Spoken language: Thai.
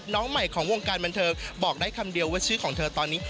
น้องใหม่ของวงการบันเทิงบอกได้คำเดียวว่าชื่อของเธอตอนนี้